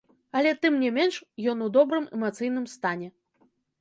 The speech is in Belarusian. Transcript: Але тым не менш ён у добрым эмацыйным стане.